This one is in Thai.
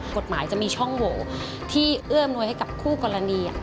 กฎหมายจะมีช่องโหวที่เอื้อมนวยให้กับคู่กรณี